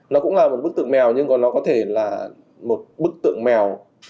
nó cũng là một bức tượng mèo nhưng mà nó có thể là một bức tượng mèo